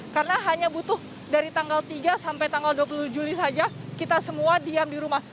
karena hanya butuh dari tanggal tiga sampai tanggal dua puluh juli saja kita semua diam di rumah